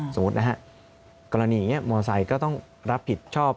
สมมุตินะฮะกรณีอย่างนี้มอไซค์ก็ต้องรับผิดชอบ